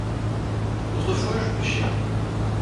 Autrefois je pêchai.